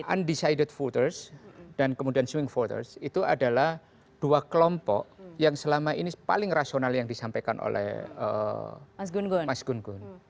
undecided voters dan kemudian swing voters itu adalah dua kelompok yang selama ini paling rasional yang disampaikan oleh mas gun gun